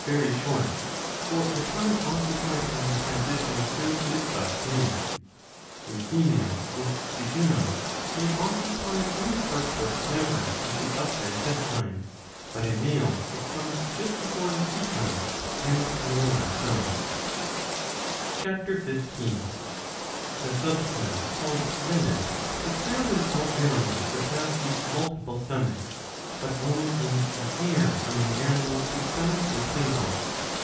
very short, for the time occupied in the transition of food is but brief In females this jejunum may occupy any part what soever of the upper intestine, but in males it comes just before the caecum and the lower stomach.^^ (Ch. 15.;) The substance called rennet^ is found in all animals that have a multiple stomach, but only in the hare'^ among animals \yhose stomach is single.